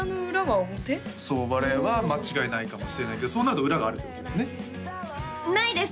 それは間違いないかもしれないけどそうなると裏があるってことだよね？